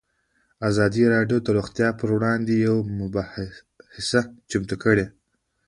ازادي راډیو د روغتیا پر وړاندې یوه مباحثه چمتو کړې.